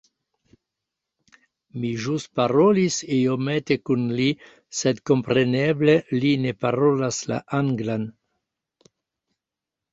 Mi ĵus parolis iomete kun li sed kompreneble li ne parolas la anglan